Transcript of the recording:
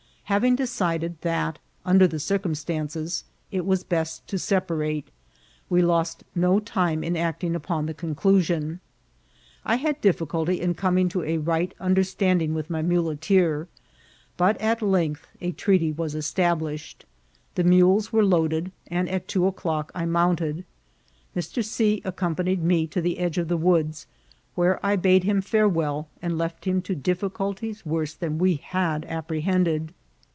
Hayino decided that, nndet the circumstancesy it mm best to separate, we lost no time in acting upon the con elusion. I had difficulty in coming to a right under* standing with my muleteer, but at length a treaty was established. The mules were loaded, and at two o'clock I mounted. Mr. C. accompanied me to the edge of the woods, where I bade him farewell, and left him to difficulties worse than we had iqpprehended.